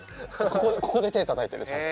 ここここで手たたいてるちゃんと。